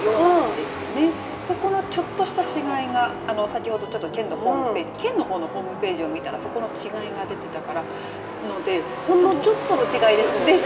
そこのちょっとした違いが先ほど県の方のホームページを見たらそこの違いが出ていたのでそのちょっとの違いですね。